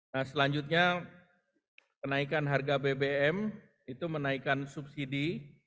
nah selanjutnya kenaikan harga bbm itu menaikkan subsidi